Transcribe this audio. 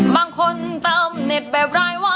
บางคนเติมเน็ตแบบรายว่า